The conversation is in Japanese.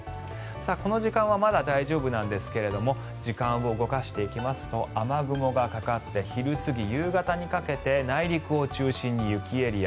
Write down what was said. この時間はまだ大丈夫ですが時間を動かしていきますと雨雲がかかって昼過ぎ、夕方にかけて内陸を中心に雪エリア。